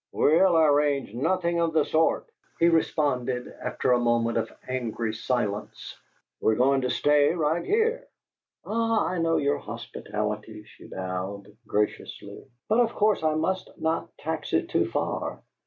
"We'll arrange nothing of the sort," he responded, after a moment of angry silence. "You're going to stay right here." "Ah, I know your hospitality," she bowed, graciously. "But of course I must not tax it too far.